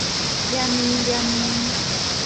連鞭，連鞭